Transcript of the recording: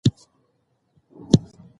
د کلي په غره کې د زرکو غږونه ډېر ښایسته دي.